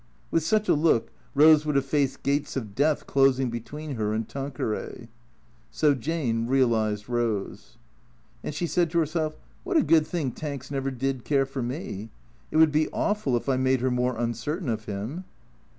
With such a look Eose would have faced gates of death closing between her and Tanqueray. So Jane realized Eose. And she said to herself, " What a good thing Tanks never did care for me. It would be awful if I made her more uncertain of him."